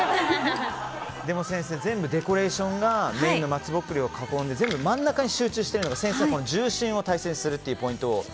先生、全部デコレーションがメインの松ぼっくりを囲んで全部真ん中に集中しているのが重心を大切にするというポイントを。